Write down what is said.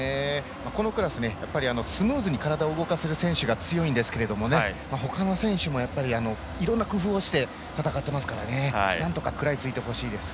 このクラススムーズに体を動かせる選手が強いんですが、ほかの選手もいろいろな工夫をして戦っていますからなんとか食らいついてほしいです。